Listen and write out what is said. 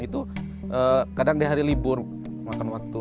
itu kadang di hari libur makan waktu